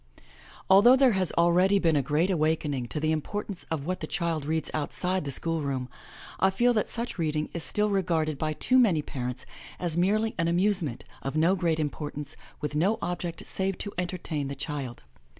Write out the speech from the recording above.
Although there has already been a great awakening to the importance of what the child reads outside the school room, I feel that such reading is still regarded by too many parents as merely an amusement, of no great importance, with no object save to entertainthe child.